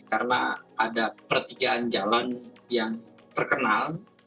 karena ada pertigaan jalan yang terkenal